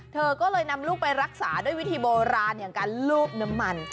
เธอก็เลยนำลูกไปรักษาด้วยวิธีโบราณอย่างการลูบน้ำมัน